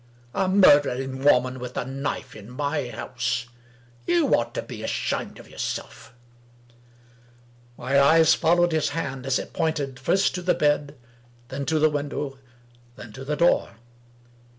A murdering woman with a knife in my house I You ought to be ashamed of yourself !" 233 English Mystery Stories My eyes followed his hand as it pointed first to the bed '— then to the window — then to the door.